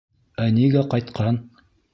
Ә нигә ҡайтҡан?